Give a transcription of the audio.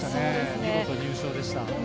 見事、入賞でした。